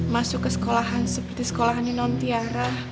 masuk ke sekolahan seperti sekolahannya nom tiara